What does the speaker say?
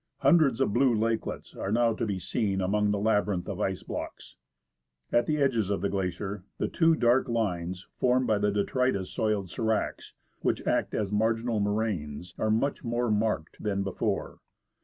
Hundreds of blue lakelets are now to be seen among the labyrinth of ice blocks. At the edges of the glacier, the two dark lines formed by the detritus soiled sdracs, which act as marginal moraines, are much more marked than before.